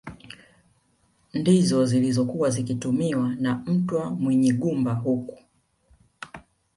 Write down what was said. Ndizo zilizokuwa zikitumiwa na Mtwa Munyigumba huku